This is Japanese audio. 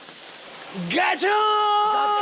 ガチョーン！